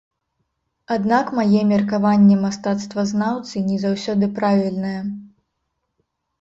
Аднак мае меркаванне мастацтвазнаўцы не заўсёды правільнае.